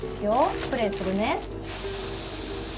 スプレーするね。